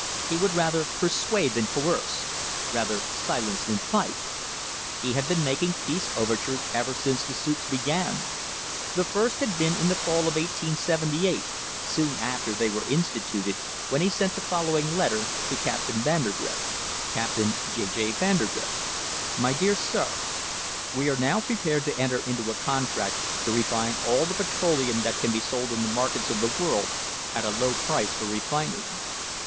He would rather persuade than coerce, rather silence than fight. He had been making peace overtures ever since the suits began. The first had been in the fall of 1878, soon after they were instituted, when he sent the following letter to Captain Vandergrift: " Captain J. J. Vandergrift: My dear Sir — We are now prepared to enter into a contract to refine all the petroleum that can be sold in the markets of the world at a low price for refining.